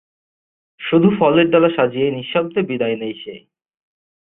শুধু ফলের ডালা সাজিয়েই নিঃশব্দে বিদায় নেয় সে।